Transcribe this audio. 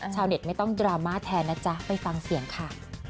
เน็ตไม่ต้องดราม่าแทนนะจ๊ะไปฟังเสียงค่ะ